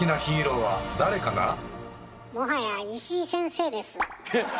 もはや石井先生です。